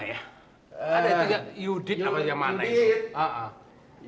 ada juga yudit apa yang mana itu